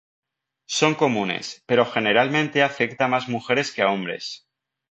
Son comunes, pero generalmente afecta a más mujeres que a hombres.